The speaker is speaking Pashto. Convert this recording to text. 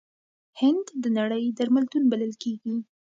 هند د نړۍ درملتون بلل کیږي.